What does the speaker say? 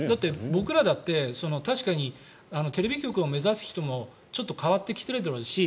僕らだってテレビ局を目指す人もちょっと変わってきているし